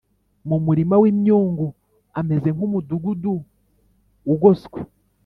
mu murima w’imyungu, ameze nk’umudugudu ugoswe